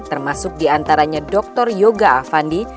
termasuk diantaranya dr yoga afandi